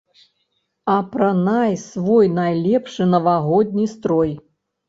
Апранай свой найлепшы навагодні строй!